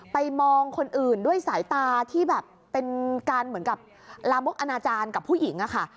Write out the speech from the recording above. ไปมองคนอื่นด้วยสายตาที่แบบเป็นการเหมือนกับลามกอนาจารย์กับผู้หญิงอะค่ะ